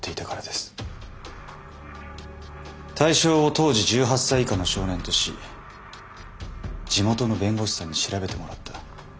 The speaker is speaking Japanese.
対象を当時１８歳以下の少年とし地元の弁護士さんに調べてもらった。